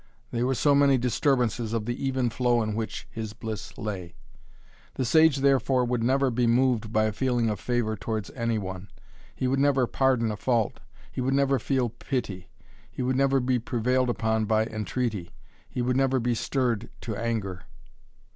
They were so many disturbances of the even flow in which his bliss lay. The sage therefore would never be moved by a feeling of favour towards any one; he would never pardon a fault; he would never feel pity; he would never be prevailed upon by entreaty; he would never be stirred to anger.